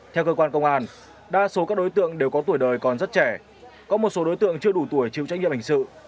theo cơ quan công an đa số các đối tượng đều có tuổi đời còn rất trẻ có một số đối tượng chưa đủ tuổi chịu trách nhiệm hình sự